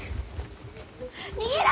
逃げろ！